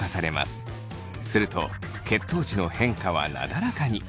すると血糖値の変化はなだらかに。